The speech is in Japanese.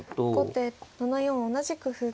後手７四同じく歩。